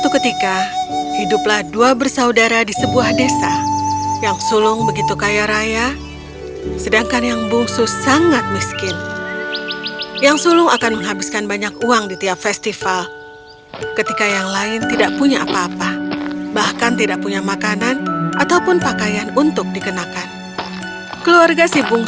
keluarga si bungsu lebih sering kelaparan karena mereka tidak mempunyai uang